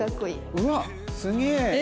うわっすげえ。